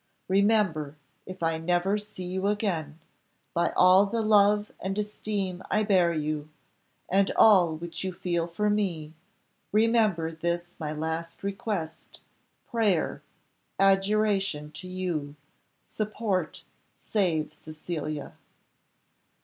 Remember, if I never see you again, by all the love and esteem I bear you, and all which you feel for me, remember this my last request prayer adjuration to you, support, save Cecilia!"